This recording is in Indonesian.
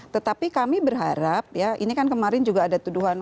tetapi kami berharap ya ini kan kemarin juga ada tuduhan